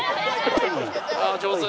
ああ上手！